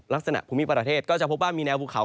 ภูมิประเทศก็จะพบว่ามีแนวภูเขา